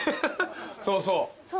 そうそう。